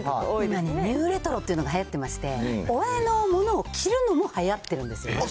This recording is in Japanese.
今ニューレトロというのがはやってまして、親のものを着るのもはやってるんですよ。